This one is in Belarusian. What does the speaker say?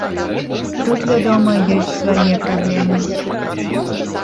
Тут, вядома, ёсць свае праблемы.